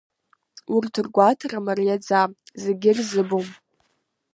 Урҭ ргәаҭара мариаӡам, зегьы ирызбом.